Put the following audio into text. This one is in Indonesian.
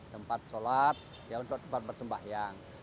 tempat sholat tempat bersembahyang